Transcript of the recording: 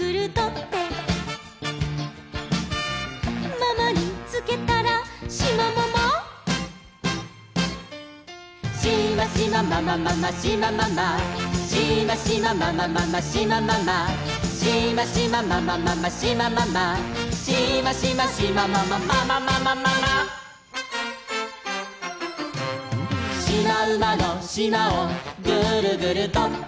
「ママにつけたらシマママ」「シマシマママママシマママ」「シマシマママママシマママ」「シマシマママママシマママ」「シマシマシマママママママママ」「しまうまのしまをグルグルとって」